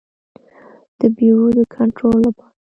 د بیو د کنټرول لپاره.